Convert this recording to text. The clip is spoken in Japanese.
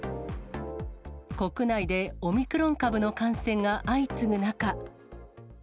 国内でオミクロン株の感染が相次ぐ中。